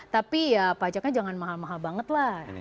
tapi ya pajaknya jangan mahal mahal banget lah